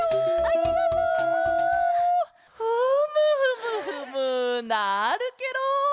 フムフムフムなるケロ！